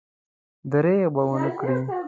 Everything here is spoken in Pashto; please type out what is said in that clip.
درېغ به ونه کړي.